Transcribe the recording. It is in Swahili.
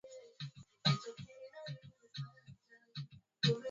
Namna ya kuwakinga wanyama dhidi ya ugonjwa wa kichaa